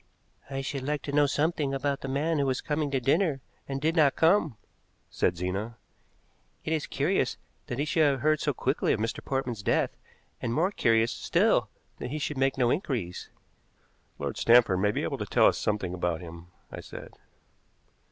"I should like to know something about the man who was coming to dinner and did not come," said Zena. "It is curious that he should have heard so quickly of Mr. Portman's death, and more curious still that he should make no inquiries." "Lord Stanford may be able to tell us something about him," I said.